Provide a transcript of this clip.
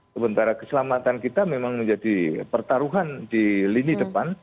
sementara keselamatan kita memang menjadi pertaruhan di lini depan